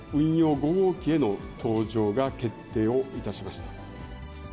５号機への搭乗が決定をいたしました。